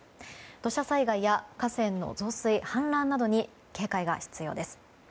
土砂災害や河川の増水氾濫などに警戒が必要です。